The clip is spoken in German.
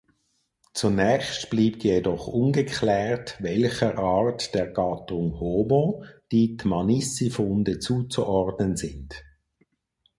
Zunächst blieb jedoch ungeklärt, welcher Art der Gattung "Homo" die Dmanissi-Funde zuzuordnen sind.